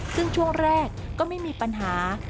ซึ่งช่วงแรกก็ไม่มีปัญหา